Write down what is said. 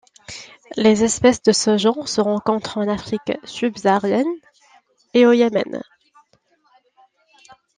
Les espèces de ce genre se rencontrent en Afrique subsaharienne et au Yémen.